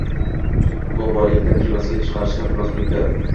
U Boylikdan kemasiga chiqarishni iltimos qilibdi